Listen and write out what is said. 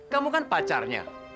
kamu kan pacarnya